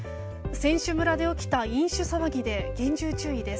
選手村で起きた飲酒騒ぎで厳重注意です。